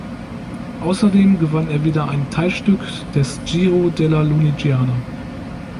Außerdem gewann er wieder ein Teilstück des Giro della Lunigiana.